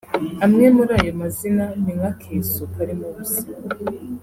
Amwe muri ayo mazina ni nka akeso karimo ubusa